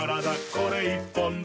これ１本で」